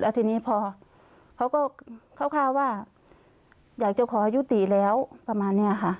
แล้วทีนี้พอเขาก็คร่าวว่าอยากจะขอยุติแล้วประมาณนี้ค่ะ